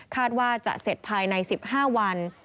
ว่าจะเสร็จภายใน๑๕วัน